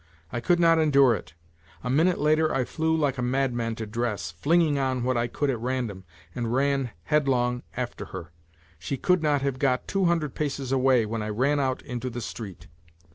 I could not endure it. A minute later I flew like a madman to dress, flinging on what I could at random and ran headlong after her. She could not have got two hundred paces away when I ran out into the street.